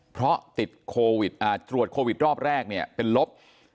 เพราะติดโควิดตรวจโควิดรอบแรกเนี่ยเป็นลบ